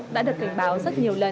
đã được cảnh báo rất nhiều lần